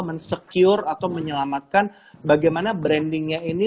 men secure atau menyelamatkan bagaimana brandingnya ini